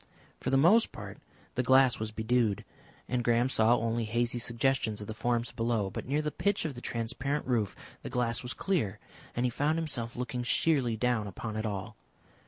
For the most part the glass was bedewed, and Graham saw only hazy suggestions of the forms below, but near the pitch of the transparent roof the glass was clear, and he found himself looking sheerly down upon it all.